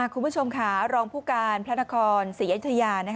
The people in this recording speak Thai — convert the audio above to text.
คุณผู้ชมค่ะรองผู้การพลัทธาคอร์ศรียะทธิญาณ